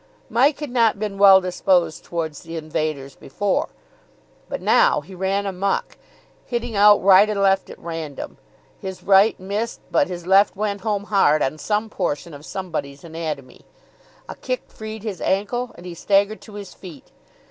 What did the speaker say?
Mike had not been well disposed towards the invaders before, but now he ran amok, hitting out right and left at random. His right missed, but his left went home hard on some portion of somebody's anatomy. A kick freed his ankle and he staggered to his feet.